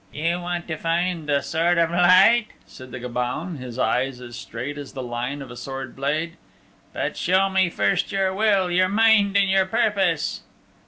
"You want to find the Sword of Light," said the Gobaun, his eyes as straight as the line of a sword blade, "but show me first your will, your mind and your purpose."